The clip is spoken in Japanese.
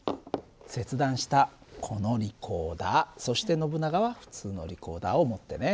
切断したこのリコーダーそしてノブナガは普通のリコーダーを持ってね。